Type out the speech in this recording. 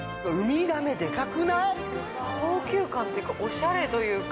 高級感というかおしゃれというか。